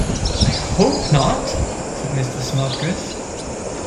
‘I hope not,’ said Mr. Snodgrass.